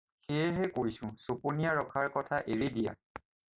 সেইহে কৈছোঁ চপনীয়া ৰখাৰ কথা এৰি দিয়া।